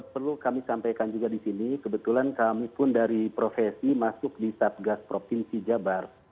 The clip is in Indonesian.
perlu kami sampaikan juga di sini kebetulan kami pun dari profesi masuk di satgas provinsi jabar